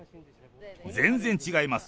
全然違います。